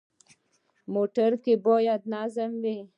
موټر کې باید نظم وي.